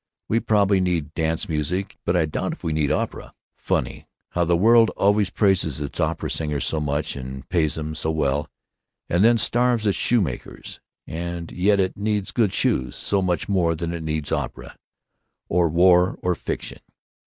We probably need dance music, but I doubt if we need opera. Funny how the world always praises its opera singers so much and pays 'em so well and then starves its shoemakers, and yet it needs good shoes so much more than it needs opera—or war or fiction.